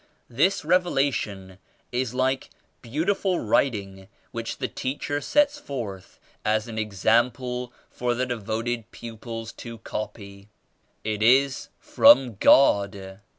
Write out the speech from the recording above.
This Revela tion is like beautiful writing which the teacher sets forth as an example for ^e devoted pupils to copy. It is from God.